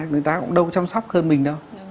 người ta cũng đâu chăm sóc hơn mình đâu